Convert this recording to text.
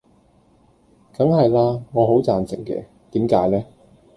梗係啦，我好贊成嘅，點解呢